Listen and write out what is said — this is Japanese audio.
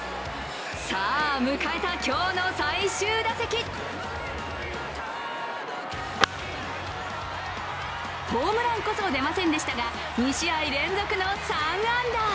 さあ、迎えた今日の最終打席ホームランこそ出ませんでしたが２試合連続の３安打。